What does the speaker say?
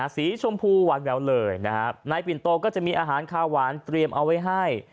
สีชมพูหวานแววเลยนะครับในปิ่นโตก็จะมีอาหารคาวหวานเตรียมเอาไว้ให้